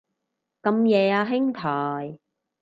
咁夜啊兄台